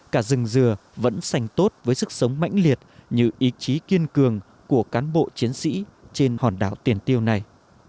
cả rừng dừa vẫn sành tốt với sức sống mãnh liệt như ý chí kiên cường của cán bộ chiến sĩ trên hòn đảo tiền tiêu này